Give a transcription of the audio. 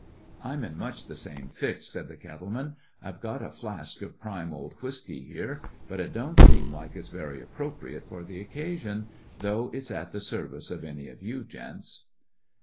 "I 'm in much the same ^Xy^^ said the cattle man. "I 've got a'flask of prime old whiskey here, but it don't seem like it 's very appro priate for the occasion, though it 's at the service of any of you gents."